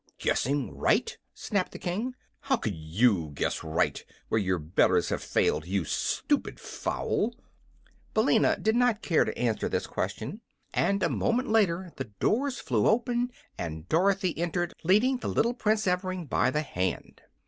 "Guessing right?" snapped the King. "How could you guess right, where your betters have failed, you stupid fowl?" Billina did not care to answer this question, and a moment later the doors flew open and Dorothy entered, leading the little Prince Evring by the hand.